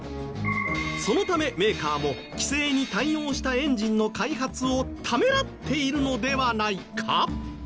そのためメーカーも規制に対応したエンジンの開発をためらっているのではないか？